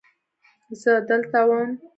زه دلته وم.